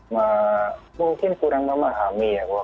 mungkin kurang memahami ya